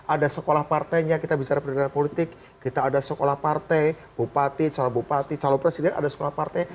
ada sekolah partainya kita bicara pendidikan politik kita ada sekolah partai bupati calon bupati calon presiden ada sekolah partai